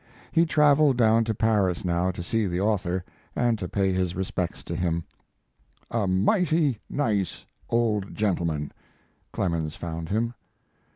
He traveled down to Paris now to see the author, and to pay his respects to him. "A mighty nice old gentleman," Clemens found him.